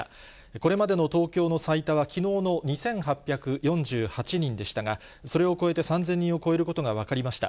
これまでの東京の最多はきのうの２８４８人でしたが、それを超えて、３０００人を超えることが分かりました。